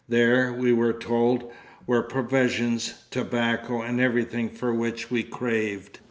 There, we were told, were provisions, tobacco, and everything for which we craved.